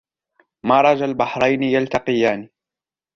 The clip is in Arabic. مَرَجَ الْبَحْرَيْنِ يَلْتَقِيَانِ